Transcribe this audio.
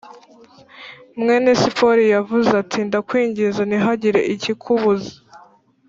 mwene Sipori yavuze ati ndakwinginze ntihagire ikikubuza